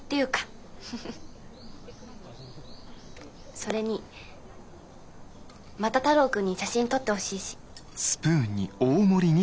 それにまた太郎君に写真撮ってほしいし。